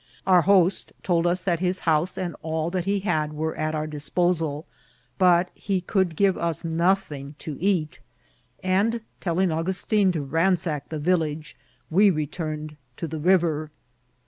Our host told us that his house and all that he had were at our disposal ; but he could give us nothing to eat ; and, telling Augustin to ransack the village, we returned to the river.